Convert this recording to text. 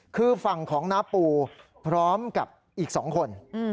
คือฝั่งของน้าปูพร้อมกับอีก๒คน